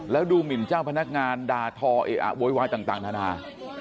แล้วดูหมินเจ้าพนักงานด่าทอเอะอะโวยวายต่างนานา